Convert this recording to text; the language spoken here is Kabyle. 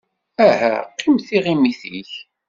Aha, qqim tiɣimit-ik!